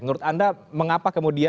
menurut anda mengapa kemudian